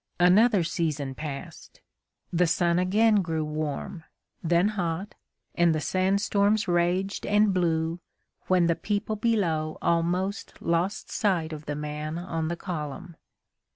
Another season passed; the sun again grew warm, then hot, and the sandstorms raged and blew, when the people below almost lost sight of the man on the column.